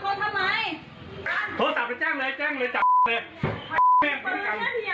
โทรศัพท์ไปแจ้งเลยแจ้งเลย